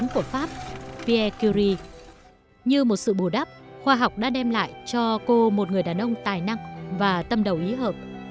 như một sự bù đắp khoa học đã đem lại cho cô một người đàn ông tài năng và tâm đầu ý hợp